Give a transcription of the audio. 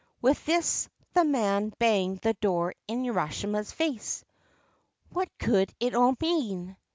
With this the man banged the door in Urashima's face. What could it all mean